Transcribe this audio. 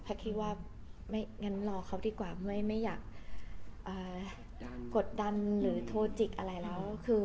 พลัดก็คิดว่ารอเขาดีกว่าไม่อยากกดดันหรือโทรจิกอะไรแล้ว